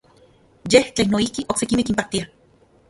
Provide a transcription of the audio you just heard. Yej tlen noijki oksekimej kinpaktia.